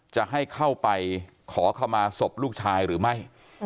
จะให้เข้าไปขอเข้ามาศพลูกชายหรือไม่